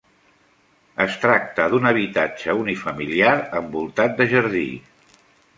Es tracta d'un habitatge unifamiliar envoltat de jardí.